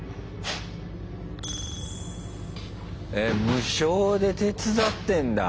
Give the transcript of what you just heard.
無償で手伝ってんだ。